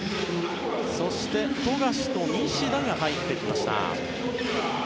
そして、富樫と西田が入ってきました。